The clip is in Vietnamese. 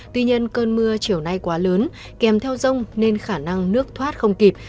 tuy nhiên cơn mưa chiều nay quá lớn kèm theo rông nên khả năng nước thoát không kịp